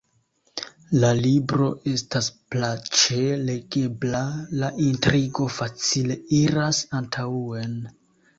La libro estas plaĉe legebla, la intrigo facile iras antaŭen...